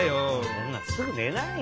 そんなすぐねないよ。